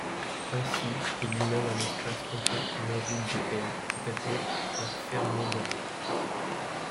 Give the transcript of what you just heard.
Ainsi, est lui-même un espace compact non vide de R, c'est-à-dire un fermé borné.